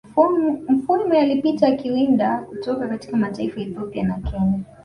Mufwimi alipita akiwinda kutoka katika mataifa Ethiopia na Kenya